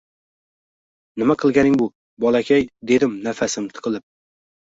— Nima qilganing bu, bolakay! — dedim nafasim tiqilib.